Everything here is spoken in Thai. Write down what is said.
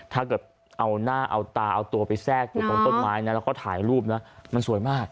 ถ้าเกิดเอาหน้าเอาตาเอาตัวไปแทรกอยู่ตรงต้นไม้นะแล้วก็ถ่ายรูปนะมันสวยมาก